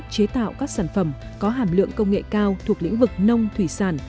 chế tạo các sản phẩm có hàm lượng công nghệ cao thuộc lĩnh vực nông thủy sản